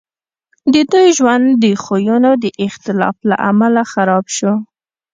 د دوی ژوند د خویونو د اختلاف له امله خراب شو